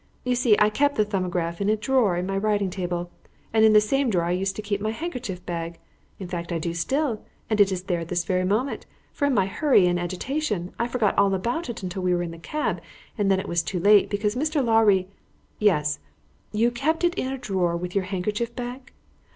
You see, I kept the 'Thumbograph' in a drawer in my writing table, and in the same drawer I used to keep my handkerchief bag in fact I do still, and it is there at this very moment, for in my hurry and agitation, I forgot about it until we were in the cab, and then it was too late, because Mr. Lawley " "Yes. You kept it in a drawer with your handkerchief bag."